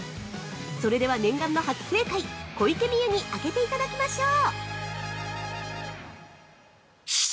それでは念願の初正解、小池美由にあけていただきましょう！